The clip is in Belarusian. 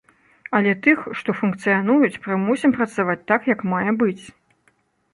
Але тых, што функцыянуюць, прымусім працаваць так, як мае быць.